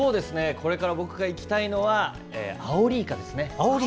これから僕が行きたいのはアオリイカですね。